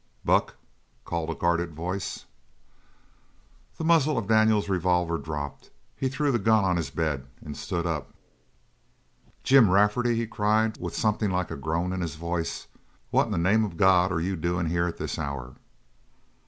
"Buck!" called a guarded voice. The muzzle of Daniels' revolver dropped; he threw the gun on his bed and stood up. "Jim Rafferty!" he cried, with something like a groan in his voice. "What in the name of God are you doin' here at this hour?"